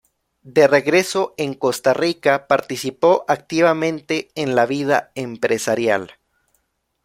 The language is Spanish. De regreso en Costa Rica participó activamente en la vida empresarial.